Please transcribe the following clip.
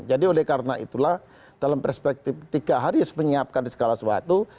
jadi oleh karena itulah dalam perspektif tiga hari menyiapkan segala sesuatu